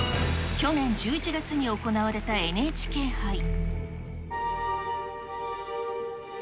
去年１１月に行われたＮＨＫ杯。